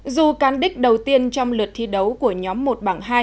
dù cán đích đầu tiên trong lượt thi đấu của nhóm một bảng hai